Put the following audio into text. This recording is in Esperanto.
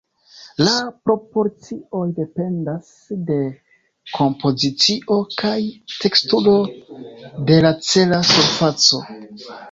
La proporcioj dependas de kompozicio kaj teksturo de la cela surfaco.